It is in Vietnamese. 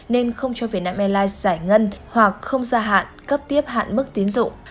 nên không cho việt nam airlines giải ngân hoặc không gia hạn cấp tiếp hạn mức tiến dụng